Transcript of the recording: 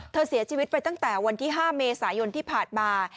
เสียชีวิตไปตั้งแต่วันที่๕เมษายนที่ผ่านมา